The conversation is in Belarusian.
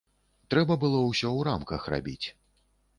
Трэба было ўсё ў рамках рабіць.